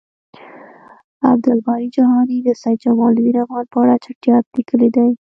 عبد الباری جهانی د سید جمالدین افغان په اړه چټیات لیکلی دی